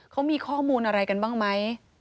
เขามีข้อมูลอะไรกันบ้างไหม